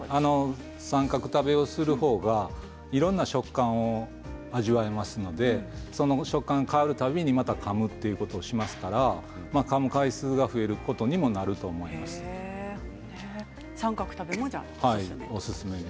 三角食べをする方がいろんな食感を味わえますのでその食感が変わる度にまたかむということをしますからかむ回数が増えることにも三角食べもおすすめと。